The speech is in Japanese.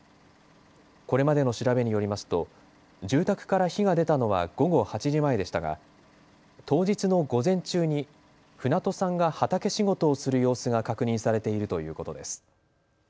これまでの調べによりますと住宅から火が出たのは午後８時前でしたが当日の午前中に船戸さんが畑仕事をする様子が確認されているということです。